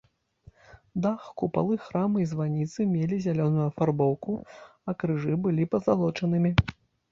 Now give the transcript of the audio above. Дах, купалы храма і званіцы мелі зялёную афарбоўку, а крыжы былі пазалочанымі.